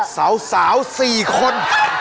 สาว๔คน